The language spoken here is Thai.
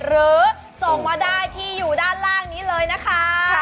หรือส่งมาได้ที่อยู่ด้านล่างนี้เลยนะคะ